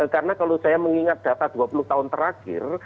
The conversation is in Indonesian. karena kalau saya mengingat data dua puluh tahun terakhir